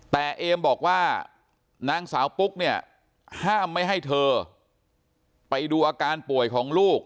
แต่เอมบอกว่านางสาวปุ๊กเนี่ยห้ามไม่ให้เธอไปดูอาการป่วยของลูก